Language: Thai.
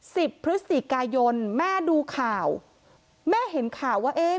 สิบพฤศจิกายนแม่ดูข่าวแม่เห็นข่าวว่าเอ๊ะ